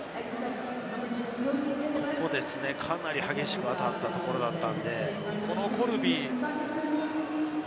かなり激しく当たったところだったので。